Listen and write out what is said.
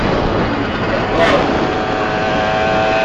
پیشنهاد کرد